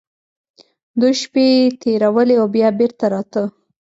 دوې شپې يې تېرولې او بيا بېرته راته.